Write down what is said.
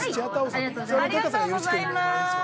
ありがとうございます。